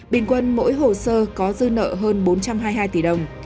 bình quân mỗi hồ sơ có dư nợ hơn bốn trăm hai mươi hai tỷ đồng